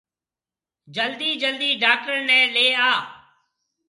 جلدِي جلدِي ڊاڪٽر نَي ليَ آ۔